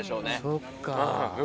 そっか。